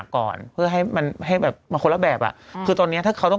คือสีเองไม่รู้วิธีตาร์หน่อยต่าง